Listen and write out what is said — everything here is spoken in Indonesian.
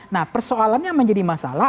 nah persoalannya menjadi masalah